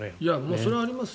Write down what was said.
それはありますよ。